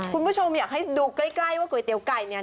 คุณผู้ชมอยากให้ดูใกล้ว่าก๋วยเตี๋ยไก่เนี่ย